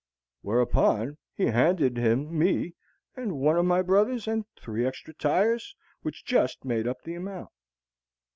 Whereupon he handed him me and one of my brothers and three extra tires, which just made up the amount.